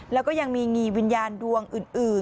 แล้วก็ยังมีงีวิญญาณดวงอื่น